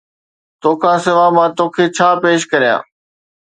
توکان سواءِ مان توکي ڇا پيش ڪريان؟